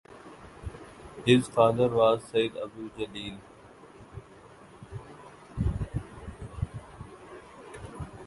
His father was Syed Abdul Jalil.